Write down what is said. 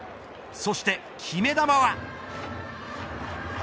そして決め球は。